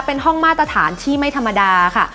เป็นห้องมาตรฐานที่ไม่ธรรมดาค่ะ